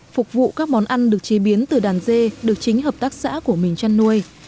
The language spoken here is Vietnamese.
phục vụ các món ăn được chế biến từ đàn dê được chính hợp tác xã của mình chăn nuôi